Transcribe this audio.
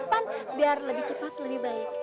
pan biar lebih cepat lebih baik